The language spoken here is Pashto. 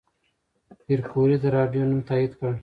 پېیر کوري د راډیوم نوم تایید کړ.